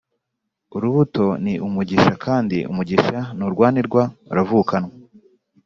urubuto ni umugisha kandi umugisha nturwanirwa uravukanwa,